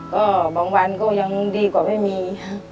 ก็บางวันก็ยังดีกว่าไม่มี